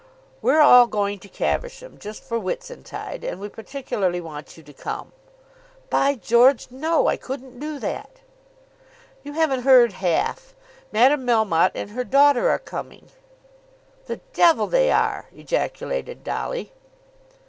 "We're all going to Caversham, just for Whitsuntide, and we particularly want you to come." "By George! no; I couldn't do that." "You haven't heard half. Madame Melmotte and her daughter are coming." "The d they are!" ejaculated Dolly.